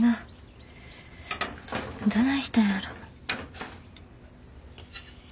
どないしたんやろ。